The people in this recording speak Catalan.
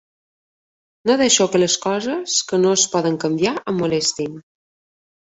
No deixo que les coses que no es poden canviar em molestin.